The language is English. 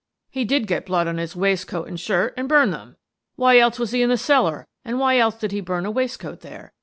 " He did get blood on his waistcoat and shirt and burned them. Why else was he in the cellar, and why else did he burn a waistcoat there?